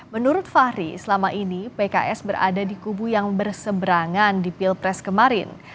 menurut fahri selama ini pks berada di kubu yang berseberangan di pilpres kemarin